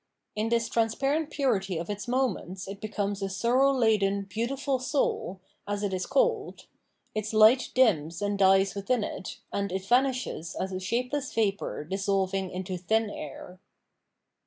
In this transparent purity of its moments it becomes a sorrow laden " beautiful soul," as it is called ; its light dims and dies within it, and it vanishes as a shapeless vapour dissolving into thin air.